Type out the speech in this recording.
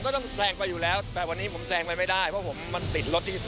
เขาเจอกินจังหว่าจะจอดแบบนี้มีอะไรไหม